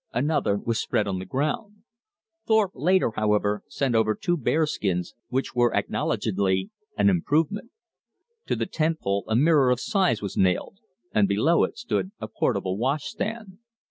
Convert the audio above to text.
Another was spread on the ground. Thorpe later, however, sent over two bear skins, which were acknowledgedly an improvement. To the tent pole a mirror of size was nailed, and below it stood a portable washstand.